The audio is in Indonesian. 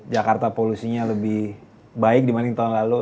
jakarta polusinya lebih baik dibanding tahun lalu